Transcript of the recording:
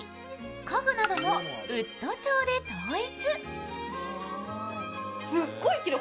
家具などもウッド調で統一。